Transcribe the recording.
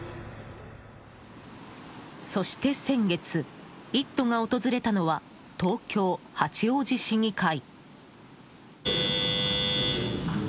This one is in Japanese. そして先月「イット！」が訪れたのは東京・八王子市議会。